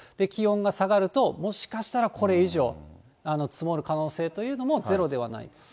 気温が下がるともしかしたら、これ以上、積もる可能性というのもゼロではない。